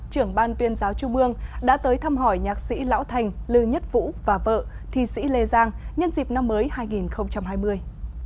trưởng ban tuyên giáo trung ương đã tới thăm hỏi nhạc sĩ lão thành lư nhất vũ và vợ thi sĩ lê giang nhân dịp năm mới hai nghìn hai mươi